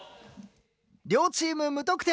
両チーム無得点。